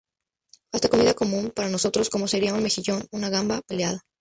Hasta comida común para nosotros como sería un mejillón, una gamba pelada.